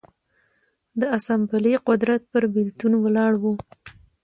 د اسامبلې قدرت پر بېلتون ولاړ و